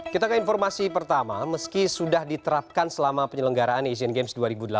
kita ke informasi pertama meski sudah diterapkan selama penyelenggaraan asian games dua ribu delapan belas